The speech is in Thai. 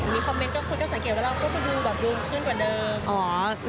มีคอมเมนต์คุณก็สังเกตว่าเราก็ดูขึ้นกว่าเดิม